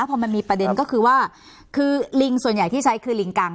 พอมันมีประเด็นก็คือว่าคือลิงส่วนใหญ่ที่ใช้คือลิงกัง